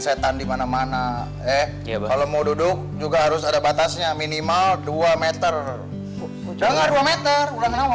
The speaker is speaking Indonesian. setan dimana mana eh kalau mau duduk juga harus ada batasnya minimal dua meter jangan dua meter udah nama